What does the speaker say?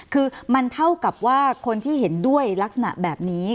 คือมันเท่ากับว่าคนที่เห็นด้วยลักษณะแบบนี้